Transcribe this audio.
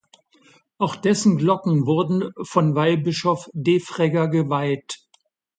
Auch dessen Glocken wurden von Weihbischof Defregger geweiht.